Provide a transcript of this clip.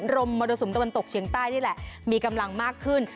มรสุมตะวันตกเฉียงใต้นี่แหละมีกำลังมากขึ้น